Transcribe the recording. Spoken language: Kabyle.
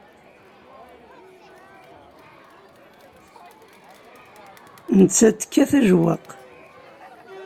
Nettat tekkat ajewwaq.